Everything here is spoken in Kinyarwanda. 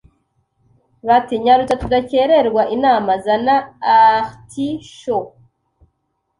bati nyarutsa tudakererwa inama zana artichaut.